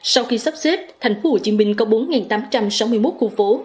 sau khi sắp xếp tp hcm có bốn tám trăm sáu mươi một khu phố